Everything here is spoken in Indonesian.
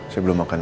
saya belum makan